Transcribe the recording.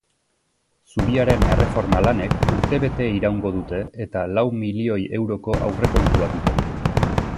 Zubiaren erreforma lanek urtebete iraungo dute eta lau milioi euroko aurrekontua dute.